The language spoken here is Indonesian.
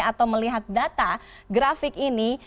atau melihat data grafik ini